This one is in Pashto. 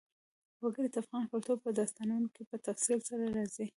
وګړي د افغان کلتور په داستانونو کې په تفصیل سره راځي.